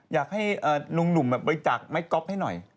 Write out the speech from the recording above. อยากให้ลุงหนุ่มไปจากไมค์ก๊อปให้หน่อย